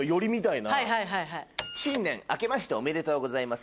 新年あけましておめでとうございます。